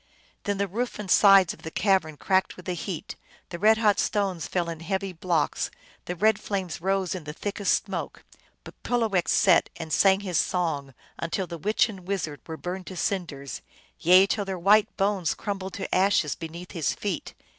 Then the roof and sides of the cavern cracked with the heat, the red hot stones fell in heavy blocks, the red flames rose in the thickest smoke, but Pulowech sat and sang his song until the witch and wizard were burned to cinders ; yea, till their white bones crumbled to ashes beneath his feet.